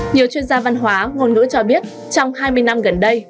nhiều chuyên gia văn hóa ngôn ngữ cho biết trong hai mươi năm gần đây